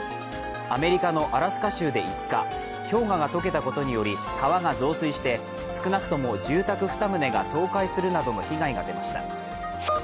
アメリカのアラスカ州で５日、氷河が溶けたことにより、川が増水して少なくとも住宅２棟が倒壊するなどの被害が出ました。